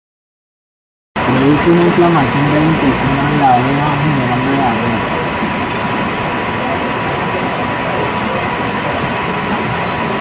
Produce una inflamación del intestino de la abeja, generando diarrea.